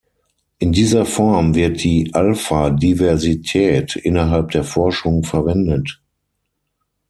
In dieser Form wird die Alpha-Diversität innerhalb der Forschung verwendet.